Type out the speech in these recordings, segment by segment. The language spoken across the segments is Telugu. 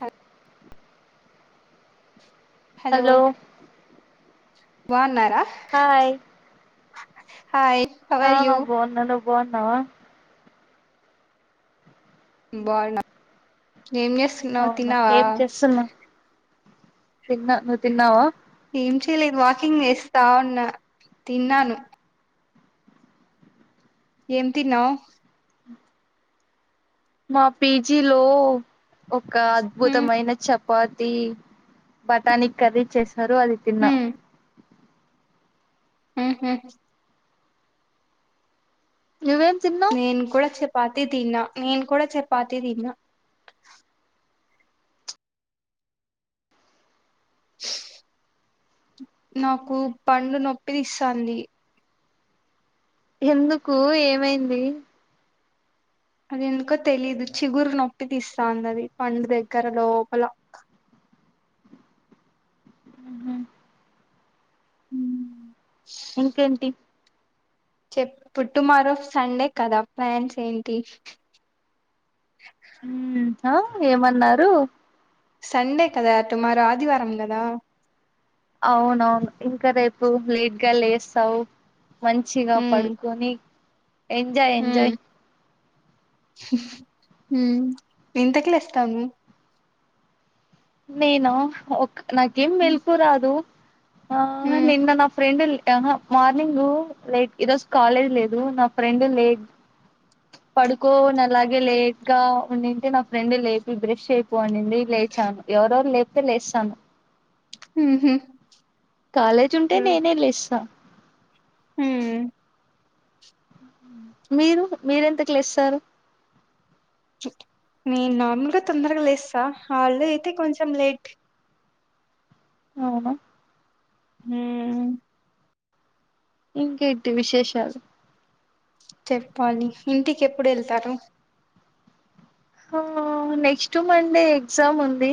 అ హలో బావున్నారా హాయ్ ఆ బాగున్నాను నువ్వు బాగున్నావా బావున్నా ఏం జేస్తున్నావ్ తిన్నావా తిన్న మీర్ ఏం చేయలేదు వాకింగ్ జేస్తా ఉన్న తిన్నాను ఏం తిన్నావ్ మా పీజీలో ఒక అద్భుతమైన చెప్ పాతి బటానీక్ కర్రీ చేసినారు అది తిన్నాం ఉహూ నువ్వేం తిన్నావ్ పాతి తిన్నా నేన్ కూడా చపాతి తిన్నా [unintelligible] నాకు పండ్లు నొప్పి తీస్తాంది ఎందుకు ఏమైంది అది ఎందుకో తెలీదు చిగురు నొప్పి తీస్తాంది అది పండు దగ్గర లోపల మ్హూ. మ్మ్. ఇంకేంటి చెప్పు టు మారో సండే కదా ప్లాన్స్ ఏంటి [unintelligible] ఉమ్ హా ఏమన్నారు సండే కదా టుమారో ఆదివారం గదా అవునవును ఇంకా రేపు లేట్గా లేస్తావు మంచిగా మ్మ్, పడుకొని ఎంజాయ్ ఎంజాయ్ ఉమ్ ఎంతకిలేస్తావు నేను ఒక నాకేం మెలుకు రాదు ఆ హ్మ్ నిన్న నా ఫ్రెండ్ ల్ అహ మార్నింగు లేట్ ఇ రోజ్ కాలేజ్ లేదు నా ఫ్రెండ్ లేట్ పడుకోని అలాగే లేట్గా ఉండింటే నా ఫ్రెండ్ లేపి బ్రష్ చెయ్ పో అనిం నేన్ లేచాను ఎవరెవరు లేపితే లేచాను ఉహూ కాలేజ్ ఉంటే నేనే లేస్తా ఊమ్ మీరు మీరెంతకి లేస్తారు నే నార్మల్గా తొందరగ లేస్తా హాల్డే అయితే కొంచెం లేట్ అవునా హ్మ్మ్ ఇంకేంటి విశేషాలు చెప్పాలి ఇంటికి ఎప్పుడు ఎళ్తారు ఆ నెక్స్ట్ మండే ఎగ్జామ్ ఉంది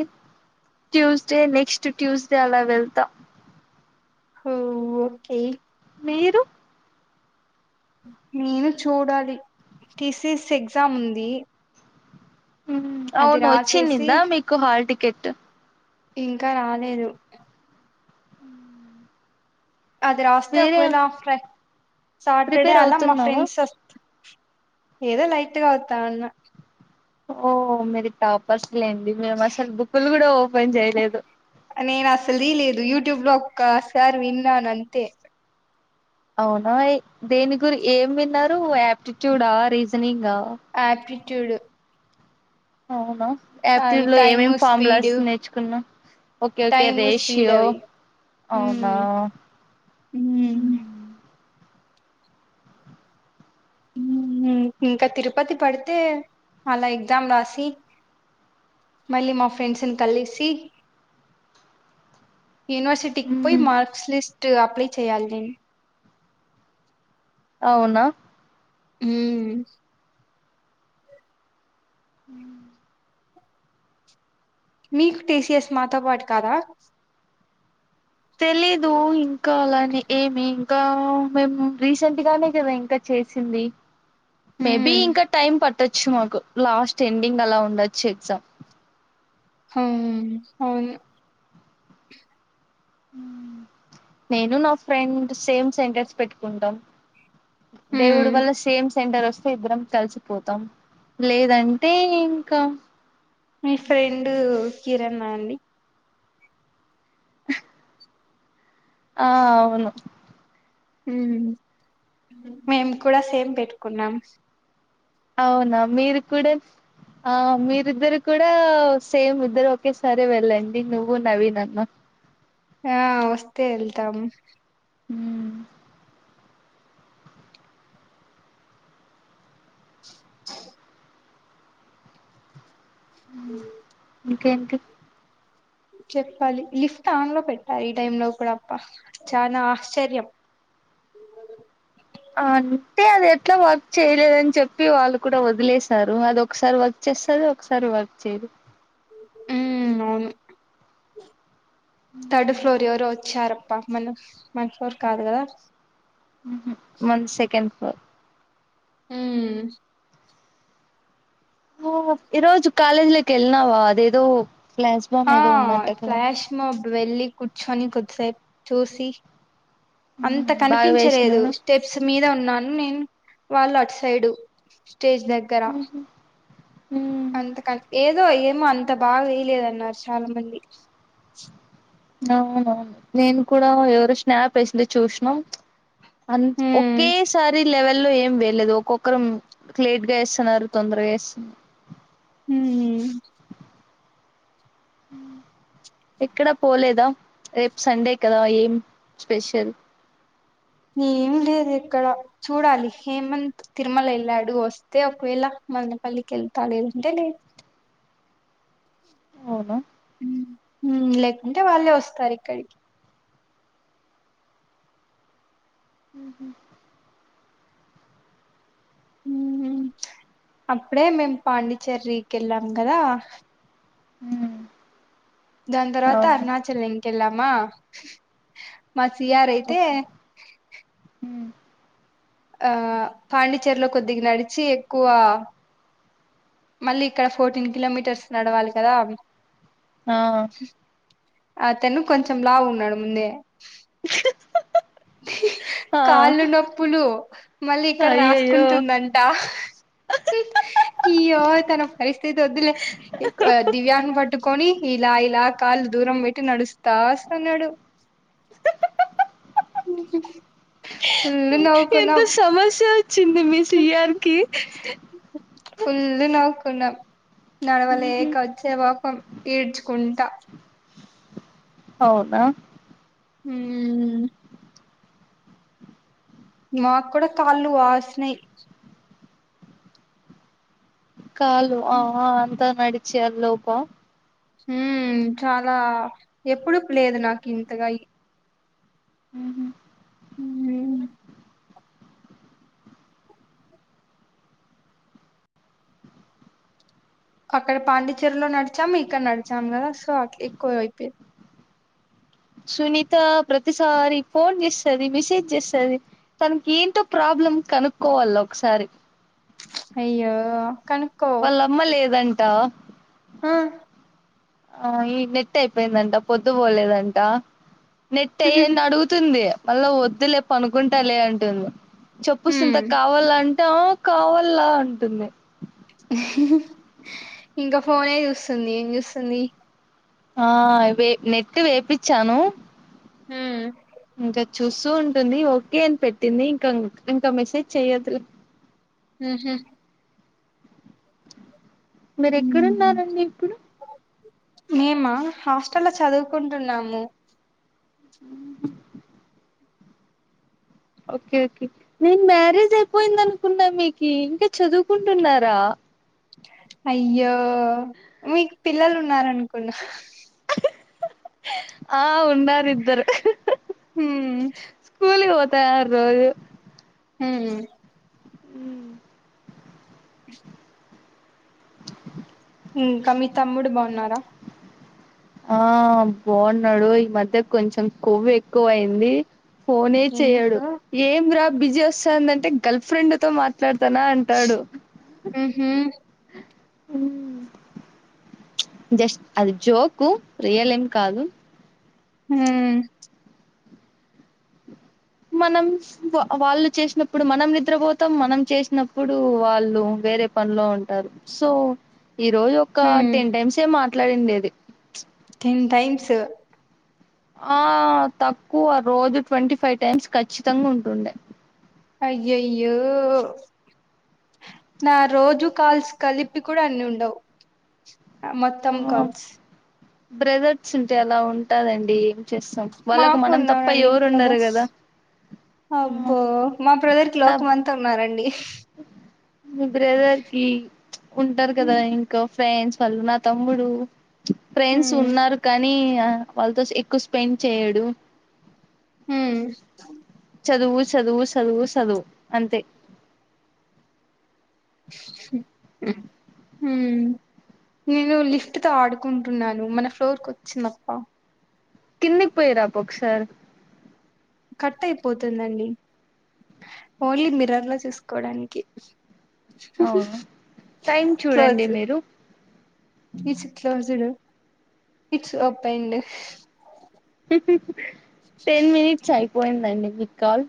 ట్యూస్డే నెక్స్ట్ ట్యూస్డే అలా వెళ్తా హో ఓకే మీరు నేను చూడాలి టిసిస్ ఎగ్జామ్ ఉంది అది అవును వచ్చి రాసేసి నిందా మీకు హాల్ టికెట్ ఇంకా రాలేదు అది రాస్తే మీరే ఒకవేళ ఆఫ్రై సాటర్డే ప్రిపేర్ అలా మా అవుతున్నావా? ఫ్రెండ్స్ వస్తు ఏదో లైట్గా వత్తా అన్నా ఓ మేది టాపర్స్ లేండి మేము అసలు బుక్కులు కూడా ఓపెన్ జేయలేదు యూట్యూబ్ల ఒకసారి విన్నాను అంతే అవునా ఏ దేని గురి ఏం విన్నారు ఆప్టిట్యూడా రీజనింగ్ ఆ ఆప్టిట్యూడు అవునా యాప్టిూ లో టైము ఏమేమి ఫార్ములా స్పీడ్ నేర్చుకున్నాం okay okay time speed ratio అవి అవునా ఉమ్ ఉమ్ ఉమ్ ఇంకా తిరుపతి పడితే అలా ఎగ్జామ్ రాసి మళ్ళీ మా ఫ్రెండ్స్ని కలిసి యూనివర్సిటీకి పోయి మార్క్స్ లిస్ట్ అప్లై చేయాలి నేన్ అవునా ఉమ్ ఉమ్ మీకు టీసీఎస్ మాతోపాటి కాదా తెలీదు ఇంకా అలాని ఏమి ఇంకా మేము రీసెంట్ గానే కదా ఇంకా చేసింది మే బి ఉమ్ ఇంకా టైమ్ పట్ పెట్టొచ్చు మాకు లాస్ట్ ఎండింగ్ అలా ఉండొచ్చు ఎగ్జామ్ హా అవును ఉమ్ నేను నా ఫ్రెండ్ సేమ్ సెంటర్స్ పెట్టుకుంటాం దేవుడు ఉమ్ వల్ల సేమ్ సెంటర్ వస్తే ఇద్దరం కలిసిపోతాం లేదంటే ఇంకా మీ ఫ్రెండు కిరణ అండి ఆ అవును ఉమ్ మేము కూడా సేమ్ పెట్టుకున్నాం అవునా మీరు కూడా ఆ మీరిద్దరు కూడా సేమ్ ఇద్దరు ఒకేసారి వెళ్ళండి నువ్వు నవీనన్న ఆ వస్తే వెళ్తాము ఉమ్ అ ఇంకేంటి చెప్పాలి లిఫ్ట్ ఆన్ లో పెట్టాలి ఈ టైమ్ లో కూడా అప్ప చాలా ఆశ్చర్యం అంటే అది ఎట్లా వర్క్ చేయలేదని చెప్పి వాళ్ళు కూడా వదిలేశారు అది ఒకసారి వర్క్ చే వస్తుంది ఒకసారి వర్క్ చేయదు ఉమ్ అవును థర్డ్ ఫ్లోర్ ఎవరు వచ్చారు పాపం అన మంచోర్ కాదు కదా ఉహు మన్ సెకండ్ ఫ్లోర్ ఉమ్ ఈరోజు కాలేజ్ లోకి వెళ్ళినావా అదేదో ఫ్లాష్ బామ్ ఆ ఏదో ఉందంట కదా ఫ్లాష్ మోబ్ వెళ్ళి కూర్చొని కొద్దిసేపు చూసి అంత ఉమ్, బాగా కనిపించలేదు వేసినారు స్టెప్స్ మీద అన్నాను నేను వాళ్ళు అట్ సైడు స్టేజ్ దగ్గర హ్మ్ అంతక ఏదో ఏమో అంత బాగా వేయలేదన్నారు చాలా మంది అవునవును నేను కూడా ఎవరో స్నాప్ వేసింది చూసినాం అంత్ ఉమ్ ఒకేసారి లెవెల్ ఏం వెేలేదు ఒక్కొక్కరం లేట్ గా వేస్తన్నారు తొందరగా వేస్తన్నారు హ్మ్ హ్మ్ ఎక్కడా పోలేదా రేపు సండే కదా ఏం స్పెషల్ ఏం లేదు ఇక్కడ చూడాలి హేమంత్ తిరుమల వెళ్ళాడు వస్తే ఒకవేళ మదనపల్లికి వెళ్తా లేదంటే లేదు అవునా హ్మ్ హ్మ్ లేకుంటే వాళ్ళే వస్తారు ఇక్కడికి హ్మ్ హు హ్మ్ అప్పుడే మేం పాండిచ్చేరికి వెళ్ళాం కదా హ్మ్ దాన్ తర్వాత అవును అరుణాచలం కి వెళ్ళామా మా సియార్ అయితే ఓకే హ్మ్ ఆ పాండిచేర్లో కొద్దిగా నడిచి ఎక్కువ మళ్ళీ ఇక్కడ ఫోర్టీన్ కిలోమీటర్స్ నడవాలి కదా ఆ అతను కొంచం లావు ఉన్నాడు ముందే ఆ కాళ్ళు నొప్పులు మళ్ళీ ఇక్కడ అయ్యయ్యో రాసుకుంటుందంట ఇయ్యో తన పరిస్థితి వద్దులే దివ్యని పట్టుకోని ఇలా ఇలా కాళ్ళు దూరం పెట్టి నడుస్తా వస్తన్నాడు ఫుల్ ఓయ్ ఎంత నవ్వుకున్నాం సమస్య చింది మే సియార్ కి తునాం నడవలేక వచ్చే వపం ఏడ్చుకుంటా అవునా హ్మ్ మాకు కూడా కాళ్ళు వాసినాయ్ కాలు ఆ ఆ అంతా నడిచే అ లోప హ్మ్ చాలా ఎప్పుడు లేదు నాకు ఇంతగా ఇ అహ ఉమ్ అక్కడ పాండిచ్చేరిలో నడిచాము ఇక్కడ నడిచాం కదా సో అట్లా ఎక్కువ అయిపోంది సునీత ప్రతిసారి ఫోన్ చేస్తది మెసేజ్ చేస్తది తనకి ఏంటో ప్రాబ్ ప్రాబ్లం కనుక్కోవల్ల ఒకసారి అయ్యో కనుక్కో వాళ్ళ అమ్మ లేదంటా ఆ ఆ ఈ నెట్ అయిపోయిందంట పొద్దు పోలేదంట నెట్ ఏయండి అడుగుతుంది మళ్ళా వద్దులే పనుకుంటా లే అంటుంది చెప్పు సుంతా హ్మ్ కావాల అంటే కావాల అంటుంది ఇంగ ఫోనే చూస్తుంది ఏం చూస్తుంది ఆ వే నెట్ వేపిచ్చాను హ్మ్ ఇంకా చూస్తూ ఉంటుంది ఓకే అని పెట్టింది ఇంకా ఇంకా మెసేజ్ చేయదు లే హ్మ్ హు మీరు ఎక్కడున్నారండి ఇప్పుడు మేము హాస్టల్ లో చదువుకుంటున్నాము ఉ ఓకే ఓకే నేను మ్యారేజ్ అయిపోయింది అనుకున్నా మీకు ఇంకా చదువుకుంటున్నారా అయ్యో మీకు పిల్లలు ఉన్నారనుకున్న ఆ ఉన్నారు ఇద్దరు హ్మ్ స్కూల్ ఒ తర్ రోజు హ్మ్ హ్మ్ వి ఇంకా మీ తమ్ముడు బావున్నారా ఆ బావున్నాడు ఈ మధ్య కొంచెం కొవ్వు ఎక్కువ అయింది ఫోనే చేయడు ఎందుకు ఏం రా బిజీ వస్తుందంటే గర్ల్ ఫ్రెండ్ తో మా ట్లాడతానా అంటాడు ఉహు జస్ట్ అది జోకు రియల్ ఏం కాదు హ్మ్ మనం వాళ్ళు చేసినప్పుడు మనం నిద్రపోతాం మనం చేసినప్పుడు వాళ్ళు వేరే పనిలో ఉంటారు సో ఈ రోజు ఒక హ్మ్ టెన్ టైమ్స్యే మాట్లాడింది అది టెన్ టైమ్స్ ఆ తక్కువ రోజు ట్వంటీ ఫైవ్ టైమ్స్ ఖచ్చితంగా ఉంటుండే అయ్యయ్యో నా రోజు కాల్స్ కలిపి కూడా అన్ని ఉండవు మొత్తం కాల్స్ బ్రెదర్ట్స్ ఉంటే అలా ఉంటాదండి మాకు ఉన్నారండి బదర్స్ కదా ఆ అబ్బో మా బ్రదర్ కి నా లోకం అంతా ఉన్నారండి మీ బ్రెదర్ కి ఉంటారు కదా ఇంకా ఫ్రెండ్స్ వాళ్ళు నా తమ్ముడు ఫ్రెండ్స్ హ్మ్ ఉన్నారు కానీ వాళ్ళతో ఎక్కువ స్పెండ్ చేయడు హ్మ్ చదువు చదువు సదువు సదువు అంతే హ్మ్ నేను లిఫ్ట్ తో ఆడుకుంటున్నాను మన ఫ్లోర్ కు వచ్చిందప్ప కిందకి పోయి రా పొ ఒకసారి కట్ అయిపోతుందండి ఓన్లీ మిరర్ లో చూసుకోడానికే అ టైం చూడండి క్లోజ్ మీరు it's closed it's opened ten minutes అయిపోయిందండి మీ కాల్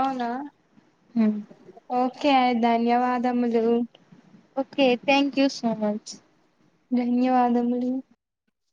అవునా హ్మ్ ఓకే ధన్యవాదములు okay thank you so much ధన్యవాదములు